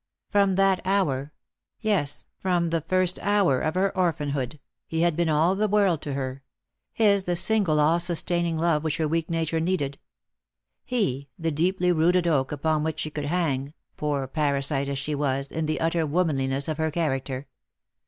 From that hour — yes, from the first hour of her orphanhood — he had been all the world to her — his the single all sustaining love which her weak nature needed; he the deeply rooted oak upon which Lost for Love. 313 she could hang, poor parasite as she was, in the utter woman liness of her character.